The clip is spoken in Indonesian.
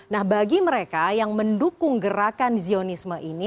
nah bagi mereka yang mendukung gerakan zionisme ini